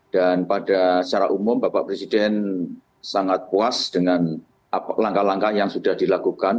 dan pada secara umum bapak presiden sangat puas dengan langkah langkah yang sudah dilakukan